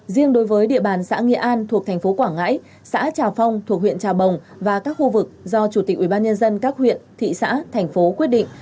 riêng đối với địa bàn xã nghĩa an thuộc thành phố quảng ngãi xã trà phong thuộc huyện trà bồng và các khu vực do chủ tịch ubnd các huyện thị xã thành phố quyết định